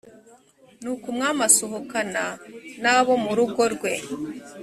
nuko umwami asohokana n abo mu rugo rwe